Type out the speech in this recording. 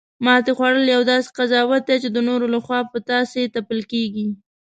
ماتې خوړل یو داسې قضاوت دی، چی د نورو لخوا په تاسې تپل کیږي